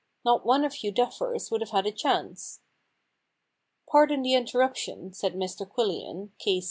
Not one of you duffers would have had a chance.' * Pardon the interruption,' said Mr Quillian, K.